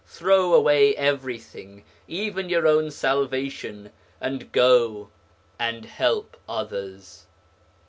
Throw away everything, even your own salvation, and go and help others.'